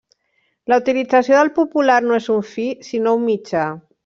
La utilització del popular no és un fi, sinó un mitjà.